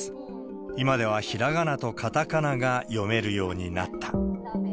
今ではひらがなとかたかなが読めるようになった。